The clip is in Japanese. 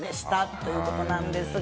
ということなんですが。